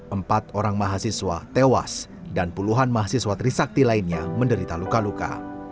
empat orang mahasiswa tewas dan puluhan mahasiswa trisakti lainnya menderita luka luka